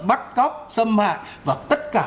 bắt cóc xâm hại và tất cả